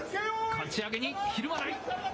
かち上げにひるまない。